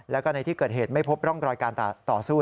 แล้วก็ในที่เกิดเหตุไม่พบร่องรอยการต่อสู้